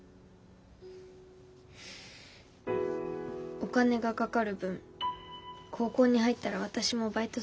お金がかかる分高校に入ったら私もバイトするから。